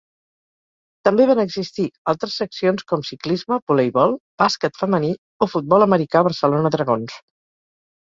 També van existir altres seccions com ciclisme, voleibol, bàsquet femení o futbol americà Barcelona Dragons.